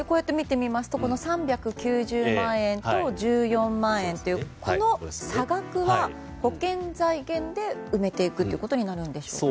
３９０万円と１４万円というこの差額は保険財源で埋めていくということになるんでしょうか。